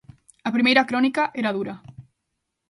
A primeira crónica era dura.